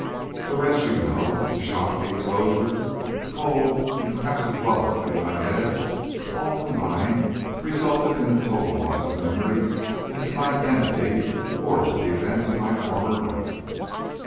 The rest you know. The shock, the exposure, the cold, and perhaps a blow or two on my head, all combined, resulted in a total loss of memory as to my identity or to the events of my former life.